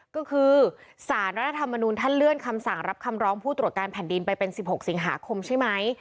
ก็คือสารรัฐธรรมนุนท่านเลื่อนคำสั่งรับคำร้องผู้ตรวจการแผ่นดินไปเป็น๑๖สิงหาคมใช่ไหม